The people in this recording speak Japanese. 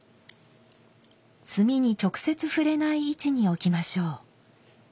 炭に直接触れない位置に置きましょう。